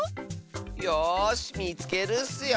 よしみつけるッスよ。